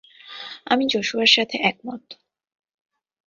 আমি জশুয়ার সাথে একমত!